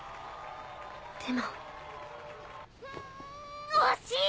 でもん惜しい！